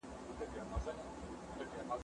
زه به سبا لاس پرېولم وم؟